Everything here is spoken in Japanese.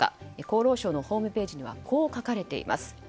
厚労省のホームページにはこう書かれています。